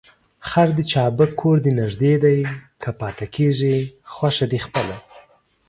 خر دي چابک کور دي نژدې دى ، که پاته کېږې خوښه دي خپله.